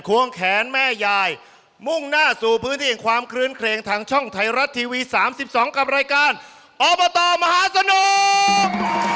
ควงแขนแม่ยายมุ่งหน้าสู่พื้นที่แห่งความคลื้นเครงทางช่องไทยรัฐทีวี๓๒กับรายการอบตมหาสนุก